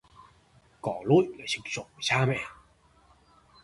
Có lỗi lại còn sừng sộ với cha mẹ